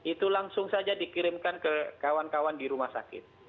itu langsung saja dikirimkan ke kawan kawan di rumah sakit